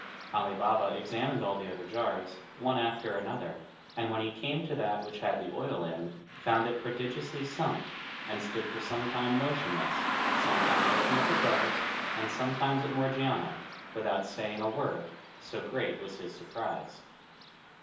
Ali Baba examined all the other jars, one after another; and when he came to that which had the oil in, found it prodigiously sunk, and stood for some time motionless, sometimes looking at the jars, and sometimes at Morgiana, without saying a word, so great was his surprise.